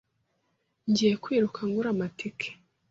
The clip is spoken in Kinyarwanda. Ngiye kwiruka ngura amatike.